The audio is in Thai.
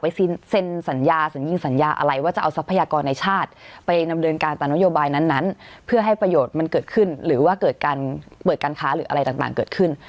เซ็นสัญญาสัญญิงสัญญาอะไรว่าจะเอาทรัพยากรในชาติไปดำเนินการตามนโยบายนั้นเพื่อให้ประโยชน์มันเกิดขึ้นหรือว่าเกิดการเปิดการค้าหรืออะไรต่างเกิดขึ้น